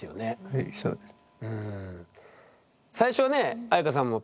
はいそうですね。